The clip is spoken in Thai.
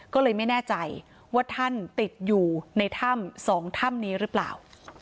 ก็เลยไม่แน่ใจว่าท่านติดอยู่ในถ้ำ๒ถ้ำนี้หรือเปล่า